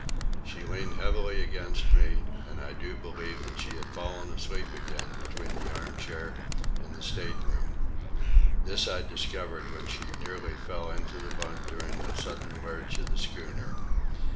She leaned heavily against me, and I do believe that she had fallen asleep again between the arm chair and the state room. This I discovered when she nearly fell into the bunk during a sudden lurch of the schooner.